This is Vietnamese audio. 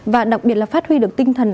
và đặc biệt là phát huy được tinh thần